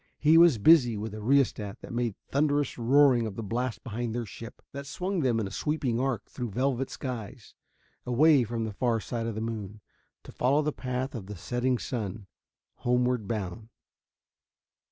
He was busy with a rheostat that made thunderous roaring of the blast behind their ship: that swung them in a sweeping arc through velvet skies, away from the far side of the moon, to follow the path of the setting sun homeward bound.